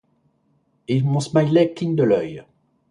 Et mon smiley cligne de l'œil.